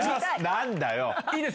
何だよ！